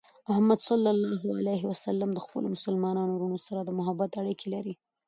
محمد صلى الله عليه وسلم د خپلو مسلمانو وروڼو سره د محبت اړیکې لرلې.